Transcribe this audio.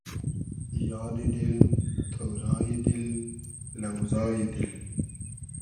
یادی دېل، تۉرای دیل، لۆزای دیل